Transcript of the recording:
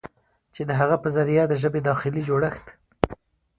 چې د هغه په ذريعه د ژبې داخلي جوړښت